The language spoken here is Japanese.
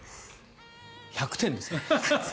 １００点ですね。